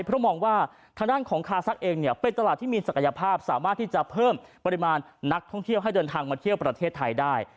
เพราะมองว่าทางด้านของคาซักเองเนี่ยเป็นตลาดที่มีศักยภาพสามารถที่จะเพิ่มปริมาณนักท่องเที่ยวให้เดินทางมาเที่ยวประเทศไทยได้